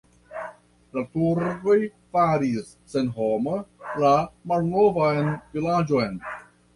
La turkoj faris senhoma la malnovan vilaĝon.